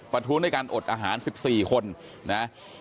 ประท้วงด้วยการอดอาหารสิบสี่คนนะอ่า